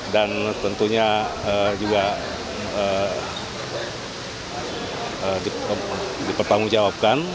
dan tentunya juga dipertanggungjawabkan